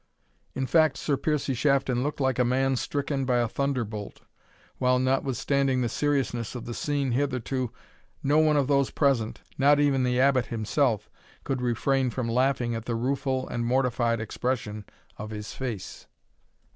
In fact, Sir Piercie Shafton looked like a man stricken by a thunderbolt, while, notwithstanding the seriousness of the scene hitherto, no one of those present, not even the Abbot himself, could refrain from laughing at the rueful and mortified expression of his face.